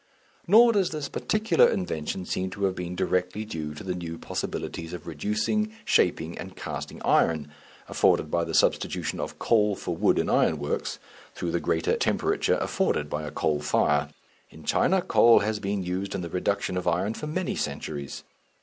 Nor does this particular invention seem to have been directly due to the new possibilities of reducing, shaping, and casting iron, afforded by the substitution of coal for wood in iron works; through the greater temperature afforded by a coal fire. In China coal has been used in the reduction of iron for many centuries.